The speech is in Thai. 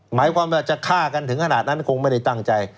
หมายความว่าจะฆ่ากันถึงขนาดนั้นคงไม่ได้ตั้งใจ